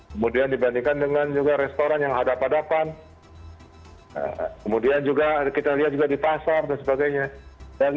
kemudian dibandingkan dengan juga restoran yang hadapan hadapan kemudian juga kita lihat juga di pasar dan sebagainya